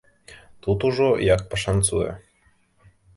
Тут ужо, як пашанцуе.